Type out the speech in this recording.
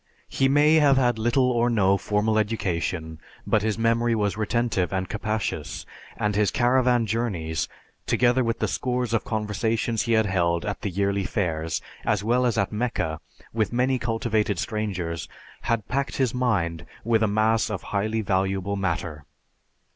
He may have had little or no formal education, but his memory was retentive and capacious, and his caravan journeys, together with the scores of conversations he had held at the yearly fairs, as well as at Mecca, with many cultivated strangers, had packed his mind with a mass of highly valuable matter.